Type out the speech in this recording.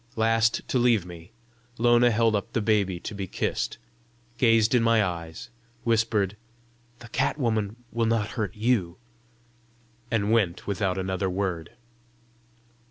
Last to leave me, Lona held up the baby to be kissed, gazed in my eyes, whispered, "The Cat woman will not hurt YOU," and went without another word.